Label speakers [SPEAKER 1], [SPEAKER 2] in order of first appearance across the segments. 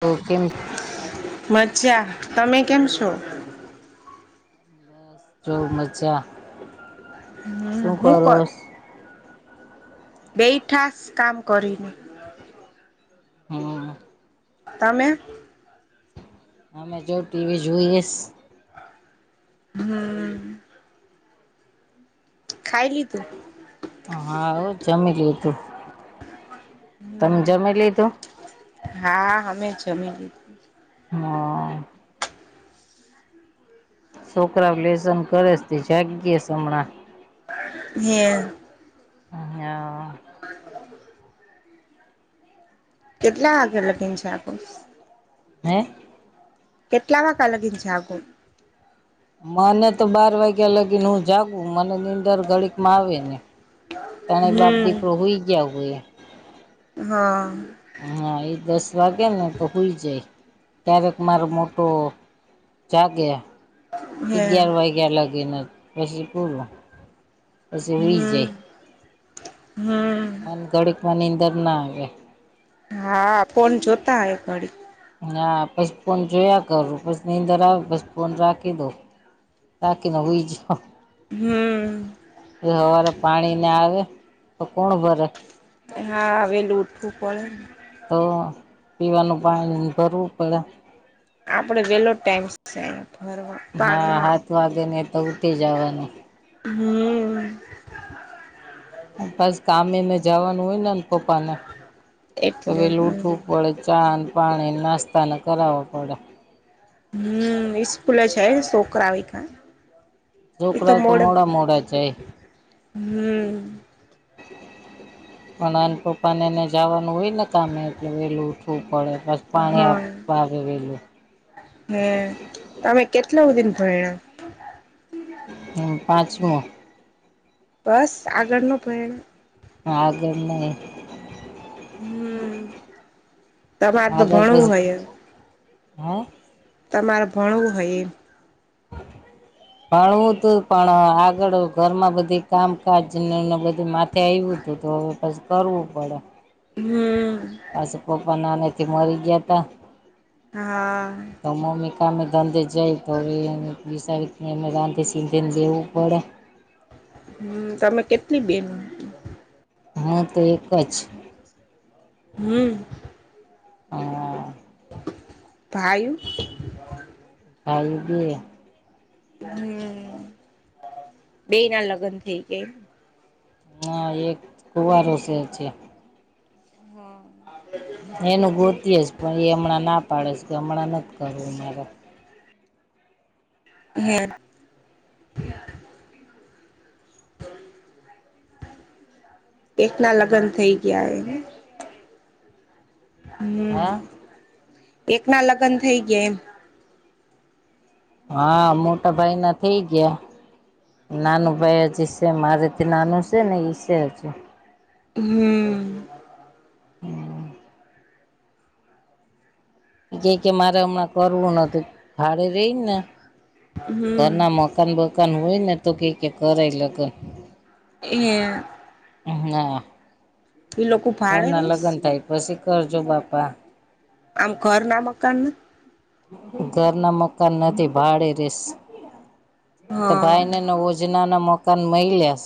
[SPEAKER 1] તો કેમ
[SPEAKER 2] [inaudible] મજા, તમે કેમ છો?
[SPEAKER 1] બોઉ મજા
[SPEAKER 2] હમ્મ,
[SPEAKER 1] શું
[SPEAKER 2] હું કર
[SPEAKER 1] કરોસ?
[SPEAKER 2] બેઠાસ, કામ કરીને.
[SPEAKER 1] હમ્મ.
[SPEAKER 2] તમે?
[SPEAKER 1] અમે જો ટીવી જોઈએશ.
[SPEAKER 2] હમ્મ ખાઈલીધું?
[SPEAKER 1] [inaudible] હા, હો, જમી લીધું. તમે જમી
[SPEAKER 2] હમ
[SPEAKER 1] લીધું?
[SPEAKER 2] હા, અમે જમી લીધું.
[SPEAKER 1] હા છોકરાઓ લેસન કરેસ, તે જાગીયે સી હમણાં.
[SPEAKER 2] [unintelligible]
[SPEAKER 1] હા
[SPEAKER 2] [inaudible] કેટલા વાગયા લગીને છે? આપડુ.
[SPEAKER 1] હે
[SPEAKER 2] કેટલા વાગ્યા લગીન જાગુ?
[SPEAKER 1] મને તો, બાર વાગ્યા લગીન હું જાગું. મને- દર ઘડીક માં આવે નઈ, તણે બાપ
[SPEAKER 2] હમ
[SPEAKER 1] દીકરો હુઈ ગયા હોય.
[SPEAKER 2] હા
[SPEAKER 1] હા, ઈ દસ વાગે ને તો હુંઈ જાય. ક્યારેક મારો મોટો- -જાગે
[SPEAKER 2] હે
[SPEAKER 1] અગિયાર વાગ્યા લાગીન, પછી પૂરું. પછી હુઈ
[SPEAKER 2] હમ્મ,
[SPEAKER 1] જાય
[SPEAKER 2] હમ્મ.
[SPEAKER 1] મન, ઘડીકમાં નીંદર ના આવે.
[SPEAKER 2] હા, ફોન જોતા હોયક.
[SPEAKER 1] હા, પછી ફોન જોયા કરું, પછી, નીદર આવે પછી ફોન રાખી દઉ. રાખી ને હુંઈ જઉ.
[SPEAKER 2] હમ
[SPEAKER 1] હવારે પાણી ના આવે, તો કોણ ભરે?
[SPEAKER 2] હા, વેલું ઉઠવું પડે ને?
[SPEAKER 1] તો, પીવાનું પાણી ભરવું પડે.
[SPEAKER 2] આપડે, વેલો ટાઈમ છે ભરવાનો.
[SPEAKER 1] હા, હાત વાગે ને તો ઉઠી જવાનું.
[SPEAKER 2] હમ્મ.
[SPEAKER 1] પછ, કામે ને જવાનું હોય ને, આન પપ્પાને, તો
[SPEAKER 2] એટલે
[SPEAKER 1] વેલુ ઉઠવું
[SPEAKER 2] હમ
[SPEAKER 1] પડે. ચા, ન પાણી, નાસ્તાને કરાવા પડે.
[SPEAKER 2] હમ્મ, ઈસ્કૂલએ જાય છોકરાને ઈકાં.
[SPEAKER 1] છોકરાઓ તો મોડા મોડા જાય.
[SPEAKER 2] હમ
[SPEAKER 1] પણ આન પપ્પા ને એને જવાનું હોય ને કામે. એટલે વહેલું ઉઠવું પડે. બસ પાણી
[SPEAKER 2] હા
[SPEAKER 1] આપ આવેે વહેલું.
[SPEAKER 2] હે. તમે કેટલે હુધીન ભયણાં?
[SPEAKER 1] હું પાંચમું.
[SPEAKER 2] બસ? આગળ નો ભયણાં?
[SPEAKER 1] ના આગળ નહિં.
[SPEAKER 2] હમ્મ. તમારે તો ભણવું હોય એમ.
[SPEAKER 1] હે?
[SPEAKER 2] તમારે ભણવું હોય એમ. [inaudible]
[SPEAKER 1] ભણવું તું, પણ આગળ ઘરમાં બધી કામકાજ ને એને બધી માથ થે આયવુ તું તો હવે પછી કરવું પડે.
[SPEAKER 2] હમ્મ.
[SPEAKER 1] પાસું પપ્પા નાનેથી મરી ગિયા તા.
[SPEAKER 2] હા.
[SPEAKER 1] તો મમ્મી કામે ધંધે જાય, તો હવે એને [unintelligible] રાંધી સીંધીને દેવું પડે.
[SPEAKER 2] હમ્મ. તમે કેટલી બહેનું?
[SPEAKER 1] હું તો એક જ.
[SPEAKER 2] હમ્મ.
[SPEAKER 1] હા.
[SPEAKER 2] ભાયું?
[SPEAKER 1] ભાયુ બે.
[SPEAKER 2] હમ્મ. બેઈ ના લગ્ન થઈ ગયા?
[SPEAKER 1] હા. એક કુવારો સે છે.
[SPEAKER 2] હા.
[SPEAKER 1] હવે એનું ગોતીએ છ, પણ ઈ હમણાં ના પાડેસ, કે હમણાં નથ કરવું મારે.
[SPEAKER 2] [inaudible] [inaudible] એકના લગ્ન થઇ ગયા એને. હમ્મ.
[SPEAKER 1] હા
[SPEAKER 2] એક ના લગ્ન થઇ ગયા એમ?
[SPEAKER 1] હા. મોટા ભાઈ ના થઇ ગયા. નાનું ભાઈ હજી સે. મારે થી નાનું સે ને ઈ સે હજી.
[SPEAKER 2] હમ્મ.
[SPEAKER 1] હા. ઈ ક્યે કે મારે હમણાં કરવું નથી. ભાડે રેઈ ના ઘર
[SPEAKER 2] હમ
[SPEAKER 1] ના મકાન-બકાન હોય ને તો ક્યે કે કરાય લગન.
[SPEAKER 2] [unintelligible]
[SPEAKER 1] [unintelligible]
[SPEAKER 2] એ લોકો
[SPEAKER 1] ઘર
[SPEAKER 2] ભાડે
[SPEAKER 1] ના
[SPEAKER 2] રહીશ
[SPEAKER 1] લગ્ન થાય, પછી કરજો બાપા.
[SPEAKER 2] આમ ઘર ના મકાન નથ?
[SPEAKER 1] ઘર ના મકાન નથી. ભાડે રહેશ. તો
[SPEAKER 2] હા
[SPEAKER 1] ભાઈને નવો જ જેના ના મકાન મઈલ્યાસ.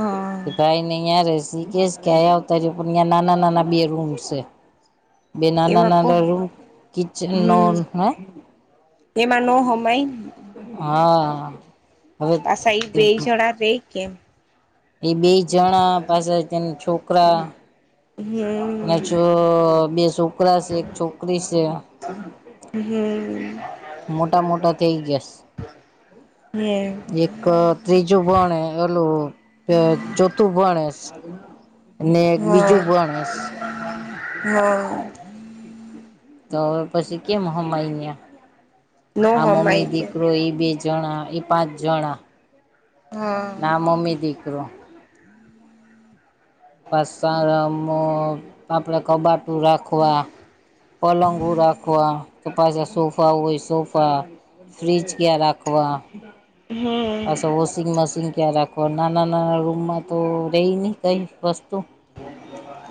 [SPEAKER 2] હા
[SPEAKER 1] ઈ ભાઈ ને યાં રહેશ. ઈ કહેશ કે અહિંયાં આવ તારી ઉપર ન્યાં નાના-નાના બે રૂમ સે. બે
[SPEAKER 2] એમાં કોણ
[SPEAKER 1] નાના-નાના રૂમ [unintelligible]
[SPEAKER 2] તેમાં નો હમાયન.
[SPEAKER 1] હા હવે
[SPEAKER 2] પાછા એ બે જણા રે કે.
[SPEAKER 1] એ બે જણા પાછા તેન છોકરા.
[SPEAKER 2] [unintelligible]
[SPEAKER 1] અ અ બે છોકરા છે એક છોકરી છે.
[SPEAKER 2] હમ.
[SPEAKER 1] મોટા મોટા થઈ ગયા છે.
[SPEAKER 2] [unintelligible]
[SPEAKER 1] એક ત્રીજું ભણે ઓલું અ ચોથું ભણે.
[SPEAKER 2] [inaudible]
[SPEAKER 1] ને એક
[SPEAKER 2] હા
[SPEAKER 1] બીજું ભણેસ.
[SPEAKER 2] હા
[SPEAKER 1] તો હવે પછી કેમ સમજવું.
[SPEAKER 2] નો
[SPEAKER 1] આ
[SPEAKER 2] હમાય
[SPEAKER 1] મમ્મી
[SPEAKER 2] તો
[SPEAKER 1] દીકરો ઈ બે જણા એ પાંચ જણા.
[SPEAKER 2] હા
[SPEAKER 1] હા મમ્મી દીકરો. [unintelligible] આપડે કબાટું રાખવા. પલંગો રાખવા તો પાછા સોફા હોય તો સોફા. ફ્રિજ ક્યાં રાખવા
[SPEAKER 2] હમ
[SPEAKER 1] પાછા વોશિ. વોશિંગ મશીન ક્યાં રાખવુ નાના નાના રૂમમાં તો રહી નહીં કંઈ વસ્તુ.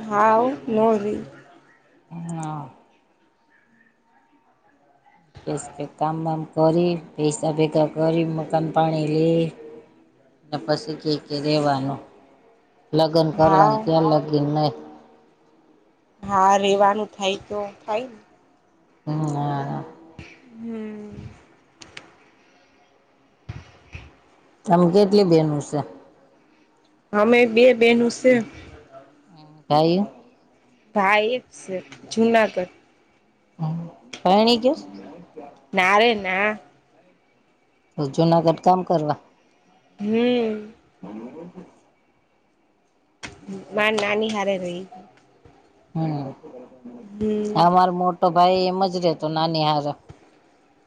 [SPEAKER 2] હા હો નો રયે.
[SPEAKER 1] [unintelligible] કેસ કે કામ વામ કરી પૈસા ભેગા કરી મકાન પાણી લે. અને પછી કે કે રેવાનું લગ્ન
[SPEAKER 2] હાવ
[SPEAKER 1] કરવાનું ત્યાં લગીન નય.
[SPEAKER 2] હા રેવાનું થાય તો થાય ને.
[SPEAKER 1] [inaudible]
[SPEAKER 2] હમ.
[SPEAKER 1] તમ કેટલી બેનો શે.
[SPEAKER 2] અમે બે બેનુ શે.
[SPEAKER 1] ભાઈઓ.
[SPEAKER 2] ભાઈ એક છે જુનાગઢ.
[SPEAKER 1] પૈણી ગ્યો શ.
[SPEAKER 2] ના રે ના.
[SPEAKER 1] તો જુનાગઢ કામ કરવા.
[SPEAKER 2] હમ. માર નાની હારે રેય.
[SPEAKER 1] હમ.
[SPEAKER 2] હમ.
[SPEAKER 1] અમાર મોટો ભાઈ એમ જ રેતો નાની હારે.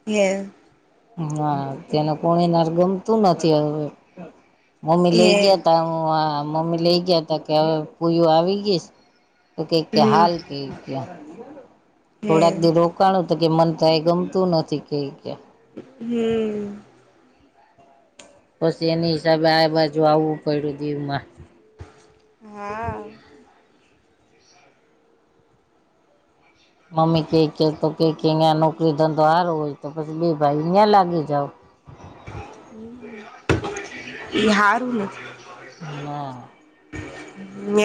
[SPEAKER 2] એમ.
[SPEAKER 1] હા, તેને કોડીનાર ગમતું નથી, હવે. મમ્મી લઈ
[SPEAKER 2] હે
[SPEAKER 1] ગયા તા, હ મમ્મી લઈ ગયા તા, કે હવે ફોયું આવી ગઈસ. તો કે ક્યા
[SPEAKER 2] હમ
[SPEAKER 1] હાલ કે ક્યા
[SPEAKER 2] હે
[SPEAKER 1] થોડા એક દી રો કાણું તો કે મન તો અહીંયા ગમતું નથી, કેય કે.,
[SPEAKER 2] હમ.
[SPEAKER 1] પછી એની હિસાબે, આ બાજુ આવવું પડ્યું, દીવમાં.
[SPEAKER 2] હા.
[SPEAKER 1] મમ્મી કે કેતો કે કે અહીયા નોકરી ધંધો સાર હોય, તો પછી બે ભાઈ અહયા લાગી જાવ.
[SPEAKER 2] એ હારું ને.
[SPEAKER 1] ના,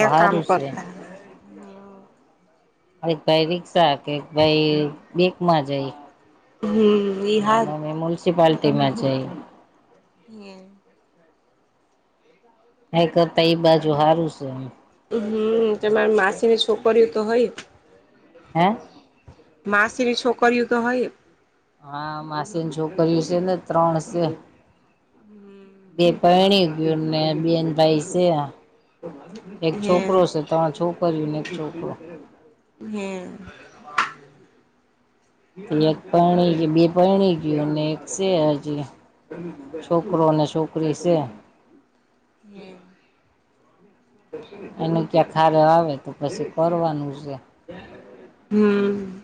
[SPEAKER 1] એ
[SPEAKER 2] કામ
[SPEAKER 1] હારું છે.
[SPEAKER 2] કરતા
[SPEAKER 1] એક ભાઈ રિક્ષા કે એક ભાઈ બેકમાં જાય.
[SPEAKER 2] હમ ઈ
[SPEAKER 1] ને
[SPEAKER 2] હારું
[SPEAKER 1] મમ્મી મુયુનિસિપાલટીમાં જાય.
[SPEAKER 2] હમ્મ.
[SPEAKER 1] હે કરતા એ બાજુ સારું છે, એમ.
[SPEAKER 2] હમ્મ, તમારી માસીની છોકરીઓ તો હોય.
[SPEAKER 1] હે?
[SPEAKER 2] માસીની છોકરીઓ તો હોય.
[SPEAKER 1] હા, માસીની છોકરીઓ છે ને, ત્રણ છે. બે પહેણી ગયુંને બેન ભાઈ છે આ. એક
[SPEAKER 2] હે
[SPEAKER 1] છોકરો છે, ત્રણ છોકરરીયું ને એક છોકરો.
[SPEAKER 2] હમ્મ.
[SPEAKER 1] ને એક પરણી બે પરણી ગયું અને એક છે, હજી. છોકરો ને છોકરી છે.
[SPEAKER 2] હે
[SPEAKER 1] એને ક્યાં હારે આવે, તો પછી કરવાનું છે.
[SPEAKER 2] હમ્મ.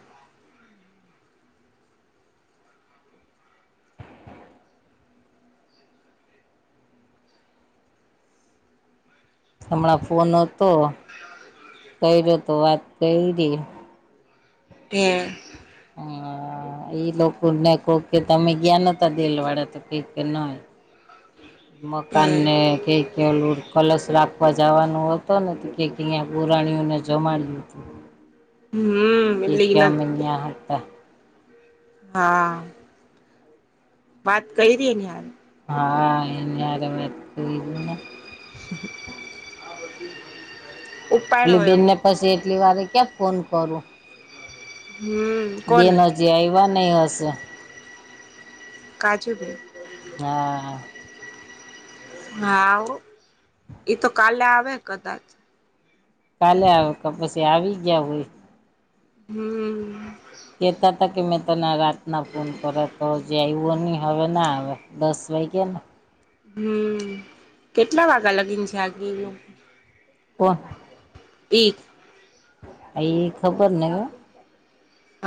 [SPEAKER 1] હમણાં ફોન હતો, કર્યો તો વાત કઈરી.
[SPEAKER 2] હમ્મ.
[SPEAKER 1] હા. હા એ લોકો ને કો કે તમે ગયા નતા દેલ વાળા તો કઈ કે નહીં.
[SPEAKER 2] હે
[SPEAKER 1] મકાનને કેક કેલું કલશ રાખવા જવાનો હતો, ને કે અહીંયા પુરાણીઓને જમાડી હતું.
[SPEAKER 2] હમ
[SPEAKER 1] કી
[SPEAKER 2] એટલે
[SPEAKER 1] કે
[SPEAKER 2] ઈના
[SPEAKER 1] મિન્યા હતા.
[SPEAKER 2] હા. વાત કરી રહી ની હાલ.
[SPEAKER 1] હા, એની હારે વાત કરી ને.
[SPEAKER 2] [unintelligible] ઉપાડો
[SPEAKER 1] પલી
[SPEAKER 2] એ
[SPEAKER 1] બેનને
[SPEAKER 2] ફોન
[SPEAKER 1] પછી એટલી વાર ક્યાં ફોન કરું.
[SPEAKER 2] હમ્મ.
[SPEAKER 1] બેન હજી આઈવા નહિ હશે.
[SPEAKER 2] કાચુ બી.
[SPEAKER 1] હા.
[SPEAKER 2] હા, હો. એ તો કાલે આવે કદાચ.
[SPEAKER 1] કાલે આવે કે પછી આવી ગયા હોય.
[SPEAKER 2] હમ્મ.
[SPEAKER 1] કે કેતા કે મેં તને રાત ના ફોન કર તો હજી આવ્યો ની. હવે ના આવે દસ વાગ્યા ને.
[SPEAKER 2] હમ્મ કેટલા વાગ્યા લગીને આજ બી નો?
[SPEAKER 1] તો.
[SPEAKER 2] ઈ.
[SPEAKER 1] આ એ ખબર નહીં હો.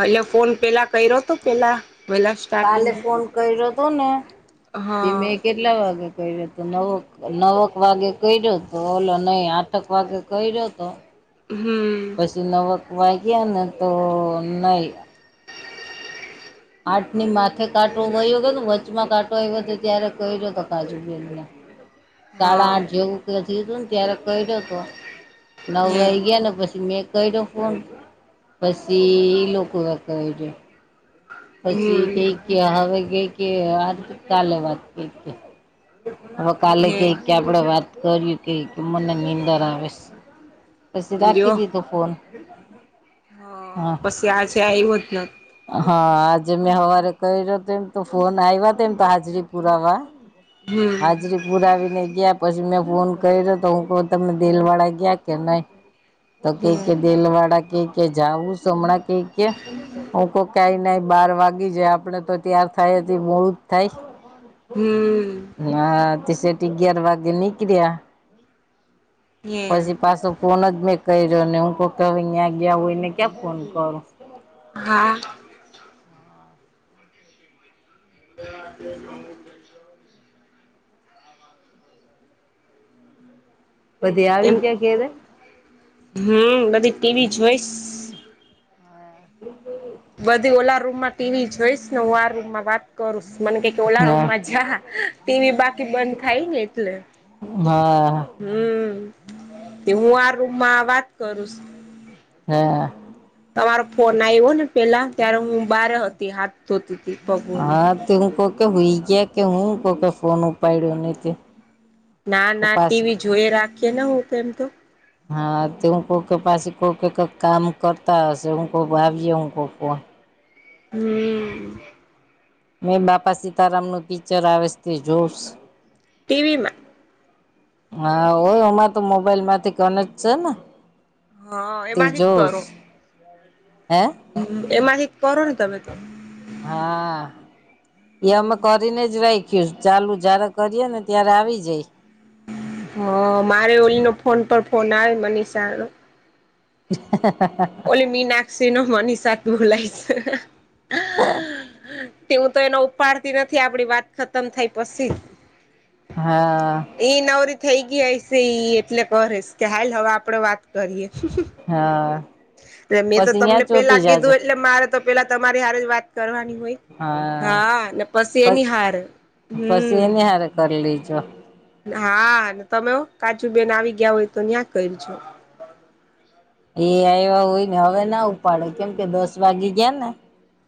[SPEAKER 2] એટલે ફોન પેલા કર્યો પેલા પેલા સ્ટાર્ટિંગ
[SPEAKER 1] કાલે
[SPEAKER 2] મા.
[SPEAKER 1] ફોન કર્યો તો ને તે મેં કેટલા વાગે કર્યો હતો નવો. નવક વાગે કર્યો હતો ઓલો નહી આઠક વાગે કર્યો હતો.
[SPEAKER 2] હમ્મ.
[SPEAKER 1] પછી નવક વાગ્યા ને તો નઈ. આટ ની માથે કાટો વયો ગયો કે વચમાં કાટ એ બધા ત્યારે ક્યો તો કાજુ બેન ને
[SPEAKER 2] [inaudible]
[SPEAKER 1] સાડા આઠ જેવું ક હતું ને ત્યારે કર્યો તો નવ
[SPEAKER 2] હે
[SPEAKER 1] વાઈ ગા ને પછી મેં કયરો ફોન પછી એ લોકો કર્યું. પછી
[SPEAKER 2] હમ
[SPEAKER 1] કઈ કે હવે કઈ કે આ કાલે વાત કે હવે કાલે
[SPEAKER 2] હે
[SPEAKER 1] કે કે આપડે વાત કરી્યું કે મને નીંદણ આવેશ પછી રાખી
[SPEAKER 2] લ્યો
[SPEAKER 1] દીધું ફોન હા.
[SPEAKER 2] એ આજે આયવો જ નો
[SPEAKER 1] હા આજે મેં હવારે કયરો તો ફોન આયવા તેમ તો હાજરી પુરવા
[SPEAKER 2] હમ
[SPEAKER 1] હાજરી પુરા આવીને ગયા પછી મેં ફોન કર્યો તો હું કઉં તમે દીલ વાળા ગયા કે નહી. તો કઈ
[SPEAKER 2] હે
[SPEAKER 1] કે દેલવાડા કઈ કે જાઉશ હમણાં કઈ કે હું કોક કઈ નાઈ બાર વાગી જાય આપડે તો ત્યાર થાય હતી મોળું જ થાય.
[SPEAKER 2] હમ્મ.
[SPEAKER 1] હા તે શેઠ અગિયાર વાગે નીકળ્યા.
[SPEAKER 2] હે
[SPEAKER 1] પછી પાછો ફોન જ મેં કર્યો નહી હું કહું કે હવે ન્યા ગયા હોયને ક્યા ફોન કરું.
[SPEAKER 2] હા.
[SPEAKER 1] [inaudible]
[SPEAKER 2] [unintelligible]
[SPEAKER 1] બધે આવી ગયા ઘેરે
[SPEAKER 2] હમ્મ બધી ટીવી જોઈશ.
[SPEAKER 1] હા. [unintelligible]
[SPEAKER 2] બધી ઓલા રૂમમાં ટીવી જોઈશ ને હું આ રૂમમાં વાત કરું મને કે ઓલા
[SPEAKER 1] હા
[SPEAKER 2] રૂમમાં જા ટીવી બાકી બંધ થાય ને એટલે
[SPEAKER 1] હા.
[SPEAKER 2] હમ્મ એ હું આ રૂમમાં વાત કરુંશું.
[SPEAKER 1] હા.
[SPEAKER 2] તમારો ફોન આવ્યો ને પેલા ત્યારે હું બાર હતી હાથ ધોતી પગો
[SPEAKER 1] હા તે હું કોકે હો ગયા કે હું કોકે ફોન ઉપાડયો નહીં.
[SPEAKER 2] ના ના ટીવી જોઈ રાખીએ ને હું એમ તો
[SPEAKER 1] હા તે હું કોકે પાછી કોઈ કઈક કામ કરતા હશે હું કોઈ આવીય હું કોક
[SPEAKER 2] હમ્મ
[SPEAKER 1] મેં બાપા સીતારામ નું પિક્ચર આવેશ તે જોઉંશ.
[SPEAKER 2] ટીવી માં.
[SPEAKER 1] હા હોય અમાર તો મોબાઈલ માંથી કનેક્ટ છે ને
[SPEAKER 2] હા
[SPEAKER 1] તે
[SPEAKER 2] એમાંથી જ
[SPEAKER 1] જોઉંશ
[SPEAKER 2] કરો
[SPEAKER 1] હે.
[SPEAKER 2] એમાંથી કરોને તમે તો?
[SPEAKER 1] હા. એમાં કરીને જ રાખ્યું ચાલુ જ્યારે કરીએે ને ત્યારે આવી જાય.
[SPEAKER 2] હ મારે ઓલીનો ફોન પર ફોન આવે મનીષાનો
[SPEAKER 1] [inaudible]
[SPEAKER 2] ઓલી મીનાક્ષી ન મનીષા દૂર લઈ જ તે હું તો એનો ઉપાડતી નથી, આપડી વાત ખતમ થાઈ પછી
[SPEAKER 1] હા
[SPEAKER 2] ઈ નવરી થઈ ગઈ હશે ઈ એટલે કરે છે કે, હાલ હવે આપડે વાત કરીએ.
[SPEAKER 1] હા
[SPEAKER 2] મેં તો
[SPEAKER 1] પછી
[SPEAKER 2] તમને
[SPEAKER 1] ત્યાં ચોટી
[SPEAKER 2] પેલા
[SPEAKER 1] જાજો
[SPEAKER 2] કીધું એટલે મારે તો પેલા તમારે હારે જ વાત કરવાની હોય. હા.. ને પછી
[SPEAKER 1] પછ
[SPEAKER 2] એની હાર, હમ
[SPEAKER 1] પછી એને હારે કરી લેજો.
[SPEAKER 2] હા, તમે હો કાચું બેન આવી ગયા હોય તો ન્યા કરજો.
[SPEAKER 1] એ આયવા હોય ને અવે ના ઉપાડે, કેમ કે દસ વાગી ગયાને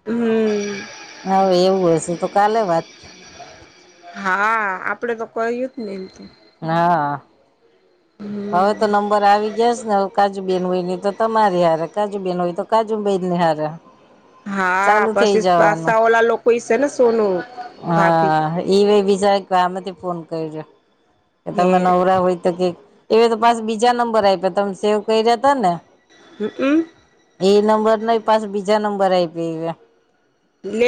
[SPEAKER 2] હમ [unintelligible]
[SPEAKER 1] અવે એવું હશે, તો કાલે વાત
[SPEAKER 2] [inaudible] હા, આપડે તો કહ્યું જ ને એમ‌ તો
[SPEAKER 1] હા
[SPEAKER 2] [unintelligible]
[SPEAKER 1] હવે તો નંબર આવી ગયા છે ને, હવે કાજુબેન હોય નય તો તમારી હારે, કાજુબેન હોય તો કાજુ બેનની હારે.
[SPEAKER 2] હા,
[SPEAKER 1] ચાલુ થઇ
[SPEAKER 2] પછી
[SPEAKER 1] જવાનું
[SPEAKER 2] પાસા વાલા લોકો ઈ છે ને સોનું ભાભી
[SPEAKER 1] હા એ બીજા એક ભા માંથી ફોન કર્યો, કે તમે નવરા હોય તો કે એણે તો પાસા બીજા નંબર આપ્યાં, તમે સેવ કરીયા તા ને
[SPEAKER 2] હમ, અમ
[SPEAKER 1] એ નંબર નઈ પાછા બીજા નંબર આયપીયા
[SPEAKER 2] લે